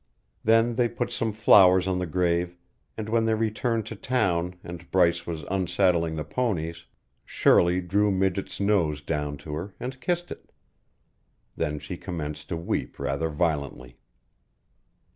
Then they put some flowers on the grave, and when they returned to town and Bryce was unsaddling the ponies, Shirley drew Midget's nose down to her and kissed it. Then she commenced to weep rather violently.